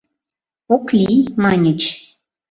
«Ок лий!» — маньыч.